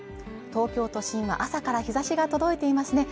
東京都心は朝から日差しが届いていますね